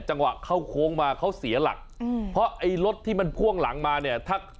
จังหวะเข้าโค้งมาเขาเสียหลักอืมเพราะไอ้รถที่มันพ่วงหลังมาเนี่ยถ้า